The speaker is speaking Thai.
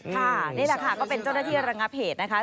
นี่แหละค่ะก็เป็นเจ้าหน้าที่ระงับเหตุนะคะ